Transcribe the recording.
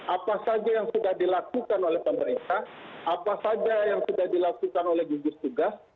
apa saja yang sudah dilakukan oleh pemerintah apa saja yang sudah dilakukan oleh gugus tugas